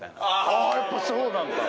ああーやっぱそうなんだ。